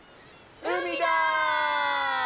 海だ！